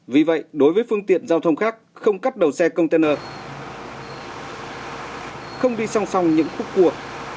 vì vậy đối với phương tiện giao thông khác không cắt đầu xe container không đi song song những khúc cua